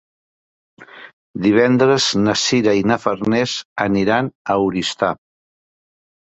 Divendres na Sira i na Farners aniran a Oristà.